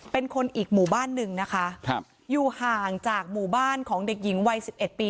เป็นคนอีกหมู่บ้านหนึ่งนะคะครับอยู่ห่างจากหมู่บ้านของเด็กหญิงวัยสิบเอ็ดปี